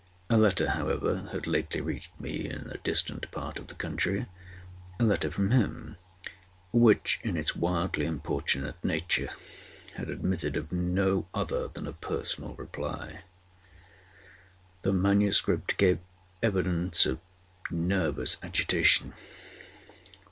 A letter, however, had lately reached me in a distant part of the country—a letter from him—which, in its wildly importunate nature, had admitted of no other than a personal reply. The MS. gave evidence of nervous agitation.